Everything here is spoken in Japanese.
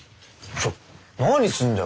ちょ何すんだよ！